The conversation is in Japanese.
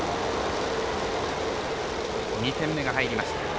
２点目が入りました。